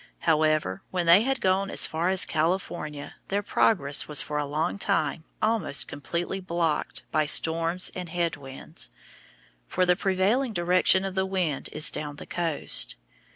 However, when they had gone as far as California, their progress was for a long time almost completely blocked by storms and head winds, for the prevailing direction of the wind is down the coast.